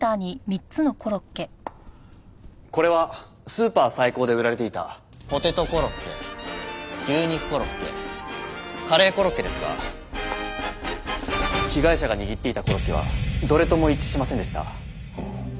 これはスーパーサイコーで売られていたポテトコロッケ牛肉コロッケカレーコロッケですが被害者が握っていたコロッケはどれとも一致しませんでした。